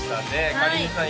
かりんさん